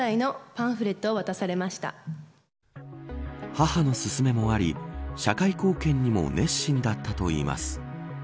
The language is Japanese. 母の勧めもあり社会貢献にも熱心だったといいます。